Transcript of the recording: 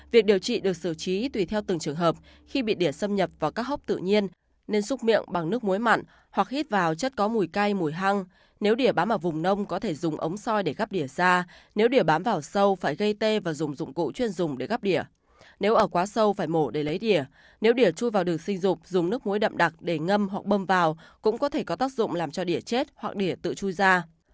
việc điều trị được sử trí tùy theo từng trường hợp khi bị đỉa xâm nhập vào các hốc tự nhiên nên xúc miệng bằng nước muối mặn hoặc hít vào chất có mùi cay mùi hăng nếu đỉa bám vào vùng nông có thể dùng ống soi để gắp đỉa ra nếu đỉa bám vào sâu phải gây tê và dùng dụng cụ chuyên dùng để gắp đỉa nếu ở quá sâu phải mổ để lấy đỉa nếu đỉa chui vào đường sinh dục dùng nước muối đậm đặc để ngâm hoặc bâm vào cũng có thể có tác dụng làm cho đỉa chết hoặc đỉa tự chui ra